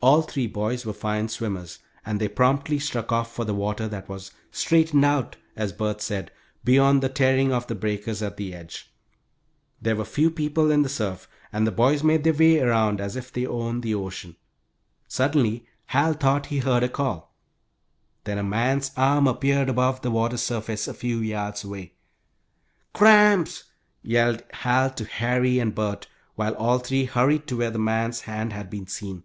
All three boys were fine swimmers, and they promptly struck off for the water that was "straightened out," as Bert said, beyond the tearing of the breakers at the edge. There were few people in the surf and the boys made their way around as if they owned the ocean. Suddenly Hal thought he heard a call! Then a man's arm appeared above the water's surface, a few yards away. "Cramps," yelled Hal to Harry and Bert, while all three hurried to where the man's hand had been seen.